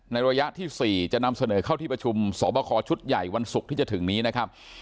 ระยะที่๔จะนำเสนอเข้าที่ประชุมสอบคอชุดใหญ่วันศุกร์ที่จะถึงนี้นะครับ